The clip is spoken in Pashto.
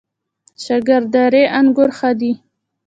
شکردرې انګور ښه دي؟